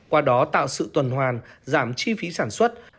qua đó tạo sự tuần hoàn giảm chi phí sản xuất